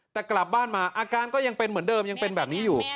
แต่กลับบ้านมาอาการก็ยังเป็นเหมือนเดิมยังเป็นแบบนี้อยู่